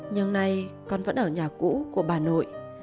nhưng nay con vẫn ở nhà cũ của bà nội